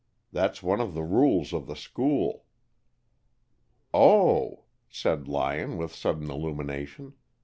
That's one of the rules of the school." "Oh!" said Lyon, with sudden illumination.